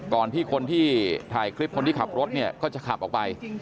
ก่อนที่คนที่ถ่ายคลิปคนที่ขับรถเนี่ยก็จะขับออกไป